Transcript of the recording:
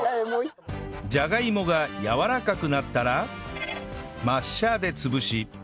ジャガイモがやわらかくなったらマッシャーで潰し